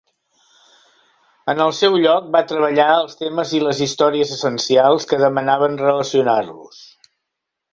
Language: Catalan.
En el seu lloc, va treballar els temes i les històries essencials que demanaven relacionar-los.